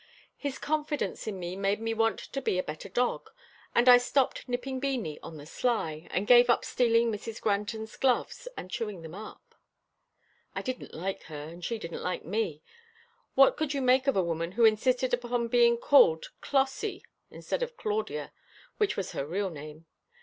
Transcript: His confidence in me made me want to be a better dog, and I stopped nipping Beanie on the sly, and gave up stealing Mrs. Granton's gloves and chewing them up. I didn't like her, and she didn't like me. What could you make of a woman who insisted upon being called "Clossie" instead of Claudia, which was her real name.